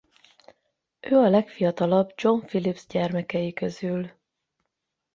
Ő a legfiatalabb John Phillips gyermekei közül.